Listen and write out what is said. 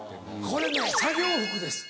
これね作業服です。